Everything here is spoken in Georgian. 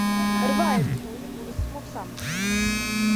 რვა ერთეული გულისხმობს ამას.